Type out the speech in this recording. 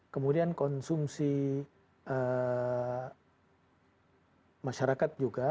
kemudian konsumsi masyarakat juga